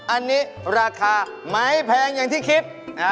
อันนี้ราคาไม่แพงอย่างที่คิด